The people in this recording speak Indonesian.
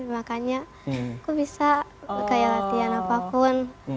makanya aku bisa kayak latihan apapun